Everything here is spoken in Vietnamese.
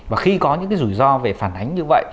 và khi có những rủi ro về phản ánh như vậy